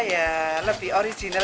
ya lebih original